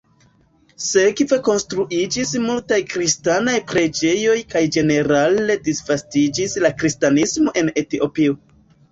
Sekve konstruiĝis multaj kristanaj preĝejoj kaj ĝenerale disvastiĝis la kristanismo en Etiopio.